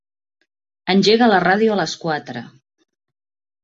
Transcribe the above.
Engega la ràdio a les quatre.